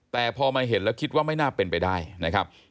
แต่พอมาเห็นแล้วคิดว่าไม่น่าเป็นไปได้นะครับ